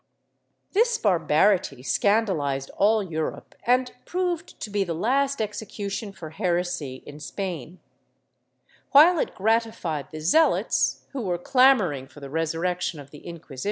"^ This barbarity scandalized all Europe and proved to be the last execution for heresy in Spain. While it gratified the zealots, who were clamoring for the resurrection of the Inquisition, it * Modesto Lafuente, XXIV, 346.